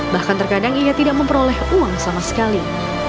bahkan terkadang ia tidak memperoleh uang sama sekali